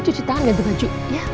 cuci tangan gantung baju ya